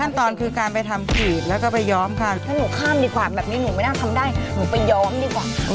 ขั้นตอนคือการไปทำผิดแล้วก็ไปย้อมค่ะถ้าหนูข้ามดีกว่าแบบนี้หนูไม่น่าทำได้หนูไปย้อมดีกว่า